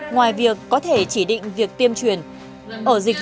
ngoài việc có thể chỉ định việc tiêm truyền dịch vụ tiêm truyền dịch tại nhà